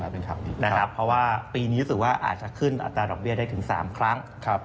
เพราะว่าปีนี้รู้สึกว่าอาจจะขึ้นอัตราดอกเบี้ยได้ถึง๓ครั้ง